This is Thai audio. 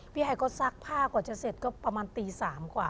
ไฮก็ซักผ้ากว่าจะเสร็จก็ประมาณตี๓กว่า